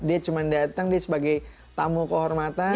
dia cuma datang dia sebagai tamu kehormatan